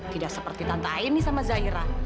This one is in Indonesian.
tidak seperti tante aini sama zaira